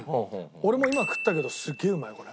俺も今食ったけどすっげえうまいこれ。